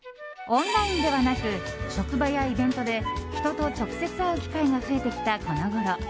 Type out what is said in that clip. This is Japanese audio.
オンラインではなく職場やイベントで人と直接会う機会が増えてきたこのごろ。